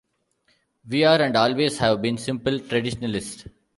We are and always have been simply Traditionalist.